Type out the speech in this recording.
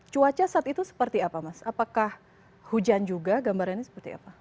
cuaca saat itu seperti apa mas apakah hujan juga gambarannya seperti apa